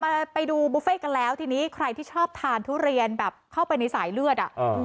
ไปดูบุฟเฟ่กันแล้วทีนี้ใครที่ชอบทานทุเรียนแบบเข้าไปในสายเลือดอ่ะ